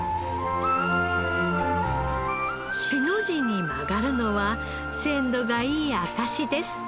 「し」の字に曲がるのは鮮度がいい証しです。